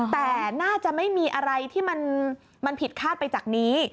แต่น่าจะไม่มีอะไรที่มันผิดคาดไปจากนี้